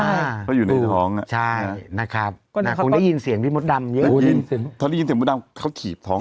ดำเยอะเตรียมเก็บหน้าเขาขีดท้อง